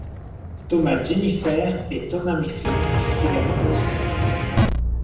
Thomas Jenifer et Thomas Mifflin sont également prospères.